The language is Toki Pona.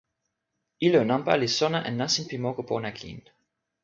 ilo nanpa li sona e nasin pi moku pona kin.